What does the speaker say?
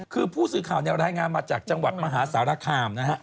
คือผู้สื่อข่าวรายงานมาจากจังหวัดมหาสารคามนะฮะ